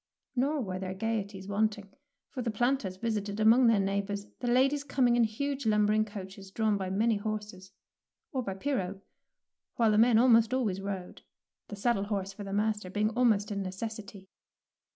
Nor were there gaieties wanting, for the planters visited among their neigh bours, the ladies coming in huge lum bering coaches drawn by many horses, or by pirogue, while the men almost always rode, the saddle horse for the master being almost a necessity.